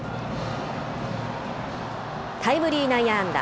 タイムリー内野安打。